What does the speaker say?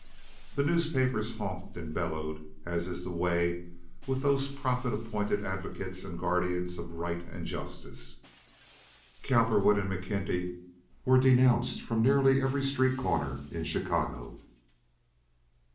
The newspapers honked and bellowed, as is the way with those profit appointed advocates and guardians of "right" and "justice." Cowperwood and McKenty were denounced from nearly every street corner in Chicago.